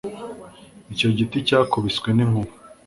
Icyo giti cyakubiswe ninkuba